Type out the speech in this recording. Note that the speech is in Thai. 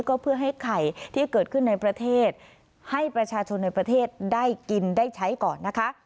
ก็เพื่อให้ไข่ที่เกิดขึ้นในประเทศให้ประชาชนในประเทศได้กินได้ใช้ก่อนนะคะ